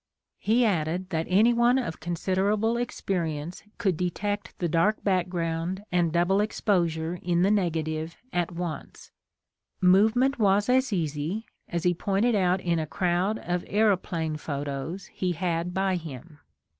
He added that anyone of consid erable experience could detect the dark back ground and double exposure in the negative at once. Movement was as easy, as he pointed out in a crowd of aeroplane photos he had by him.